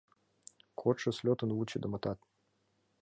Кодшо слётын вучыдымо тат…